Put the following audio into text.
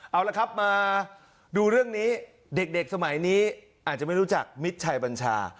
เอาละครับมาดูเรื่องนี้เด็กสมัยนี้อาจจะไม่รู้จักมิตรชัยบัญชา